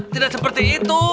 tidak seperti itu